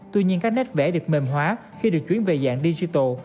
tuy nhiên các nét vẽ được mềm hóa khi được chuyển về dạng digital